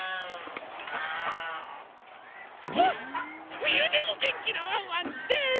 ふゆでもげんきなワンワンです！